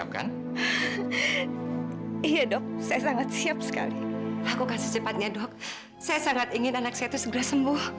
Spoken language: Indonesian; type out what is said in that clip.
kami semua akan melakukan yang terbaik bu